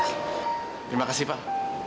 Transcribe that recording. terima kasih pak